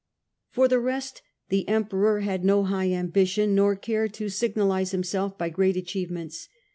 For the rest the Emperor bad no high ambition, nor cared to signalise himself by great achievements.